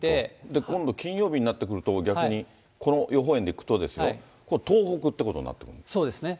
今度、金曜日になってくると、逆にこの予報円で行くとですよ、そうですね。